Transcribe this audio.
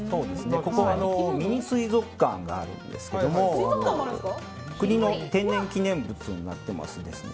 ここはミニ水族館があるんですけども国の天然記念物になっています